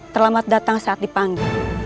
terlama datang saat dipanggil